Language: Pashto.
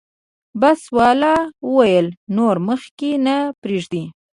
بس والا وویل نور مخکې نه پرېږدي.